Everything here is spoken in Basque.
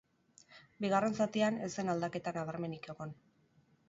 Bigarren zatian ez zen aldaketa nabarmenik egon.